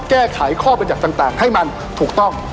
แก้ไขข้อบรรยัติต่างให้มันถูกต้อง